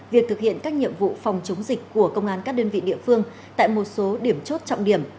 việc thực hiện các nhiệm vụ phòng chống dịch của công an các đơn vị địa phương tại một số điểm chốt trọng điểm